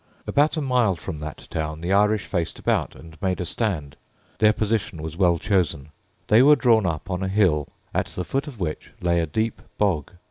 About a mile from that town the Irish faced about, and made a stand. Their position was well chosen. They were drawn up on a hill at the foot of which lay a deep bog.